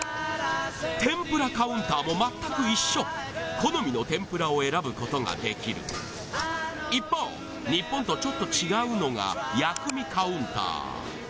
天ぷらカウンターも全く一緒好みの天ぷらを選ぶことができる一方日本とちょっと違うのが薬味カウンター